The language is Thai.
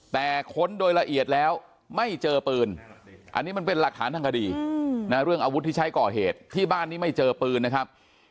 แต่ค้นโดยละเอียดแล้วไม่เจอปืนอันนี้มันเป็นหลักฐานทางคดีนะเรื่องอาวุธที่ใช้ก่อเหตุที่บ้านนี้ไม่เจอปืนนะครับ